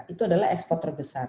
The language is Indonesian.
itu adalah ekspor terbesar